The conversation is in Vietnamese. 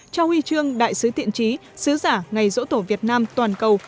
cho huy chương đại sứ tiện trí sứ giả ngày dỗ tổ việt nam toàn cầu